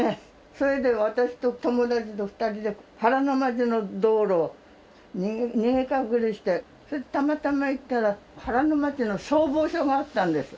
それで私と友達と２人で原町の道路を逃げ隠れしてそれでたまたま行ったら原町の消防署があったんです。